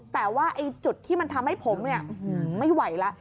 แต่ว่าไอ้จุดที่มันทำให้ผมเนี่ยไม่ไหวละ